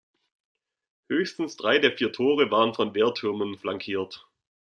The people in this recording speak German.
Höchstens drei der vier Tore waren von Wehrtürmen flankiert.